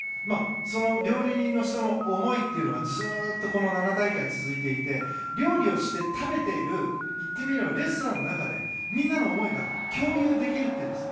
料理の人の思いというのがこの７大会続いていて料理をして食べている言ってみればレストランの中でみんなの思いが共有できるというんです。